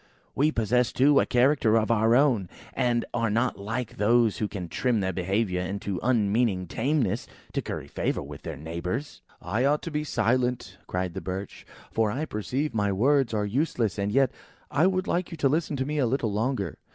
We possess, too, a character of our own, and are not like those who can trim their behaviour into an unmeaning tameness, to curry favour with their neighbours." "I ought to be silent," cried the Birch; "for I perceive my words are useless. And yet, I would like you to listen to me a little longer.